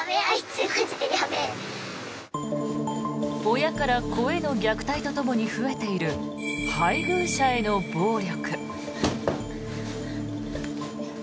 親から子への虐待とともに増えている配偶者への暴力。